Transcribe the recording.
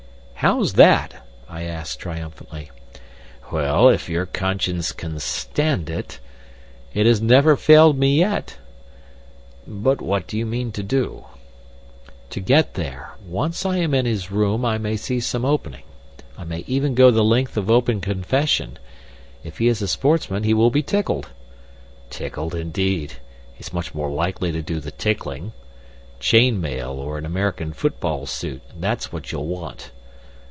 "How's that?" I asked, triumphantly. "Well if your conscience can stand it " "It has never failed me yet." "But what do you mean to do?" "To get there. Once I am in his room I may see some opening. I may even go the length of open confession. If he is a sportsman he will be tickled." "Tickled, indeed! He's much more likely to do the tickling. Chain mail, or an American football suit that's what you'll want.